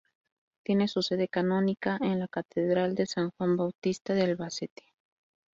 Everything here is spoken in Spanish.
Tiene su sede canónica en la Catedral de San Juan Bautista de Albacete.